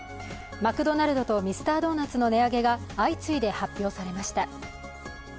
マクドナルドのミスタードーナツの値上げが相次いで発表されました。